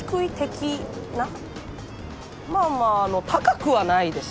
まあまああの高くはないです。